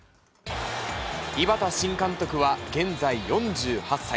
井端新監督は現在４８歳。